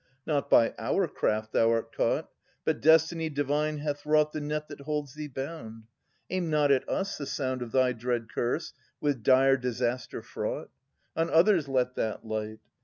Not by our craft thou art caught, But Destiny divine hath wrought The net that holds thee bound. Aim not at us the sound Of thy dread curse with dire disaster fraught. On others let that light!